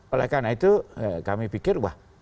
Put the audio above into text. oleh karena itu kami pikir wah